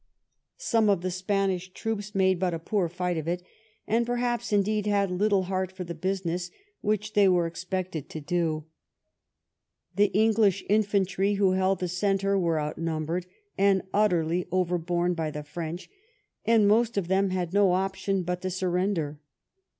Some of the Spanish *•" 257 THE REIGN OP QUEEN ANNE troops made but a poor fight of it, and perhaps, in deed, had little heart for the business which they were expected to do. The English infantry, who held the centre, were outnumbered and utterly overborne by the French, and most of them had no option but to surrender.